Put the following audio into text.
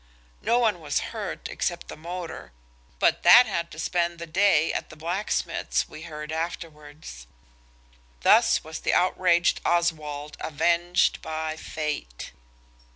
No one was hurt except the motor, but that had to spend the day at the blacksmith's, we heard afterwards. Thus was the outraged Oswald avenged by Fate.